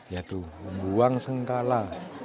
yaitu membuang sengkala